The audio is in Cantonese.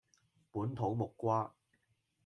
本土木瓜